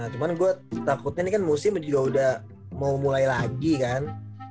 cuman gue takutnya ini kan musim juga udah mau mulai lagi kan